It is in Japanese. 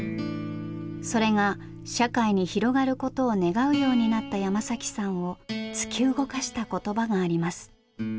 それが社会に広がることを願うようになった山さんを突き動かした言葉があります。